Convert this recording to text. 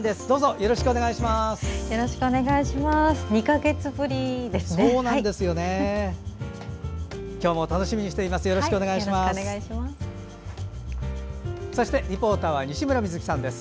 よろしくお願いします。